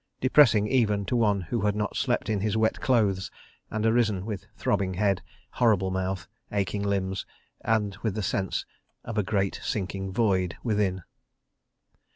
Depressing even to one who had not slept in his wet clothes and arisen with throbbing head, horrible mouth, aching limbs and with the sense of a great sinking void within.